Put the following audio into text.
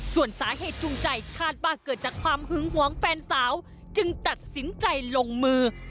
ส่วนสาเหตุจูงใจคาดว่าเกิดจากความหึงหวงแฟนสาวจึงตัดสินใจลงมือ